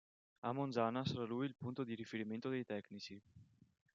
A Mongiana sarà lui il punto di riferimento dei tecnici.